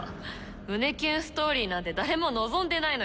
胸キュンストーリーなんて誰も望んでないのよ。